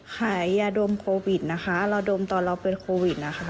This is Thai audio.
ขายยาดมโควิดนะคะเราดมตอนเราเป็นโควิดนะคะ